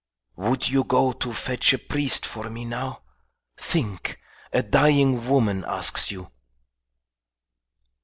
"Would you go to fetch a priest for me now? Think! A dying woman asks you!"